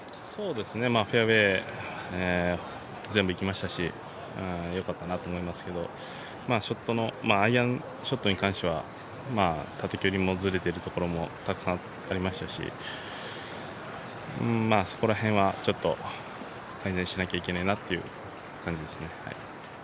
フェアウエー、全部いきましたし良かったかなと思いますけどショットのアイアンショットに関しては縦距離もずれているところもたくさんありましたしそこら辺は、ちょっと、改善しなきゃいけないなという感じですね。